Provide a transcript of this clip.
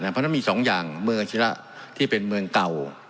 เพราะฉะนั้นมี๒อย่างเมืองอาชิระที่เป็นเมืองเก่า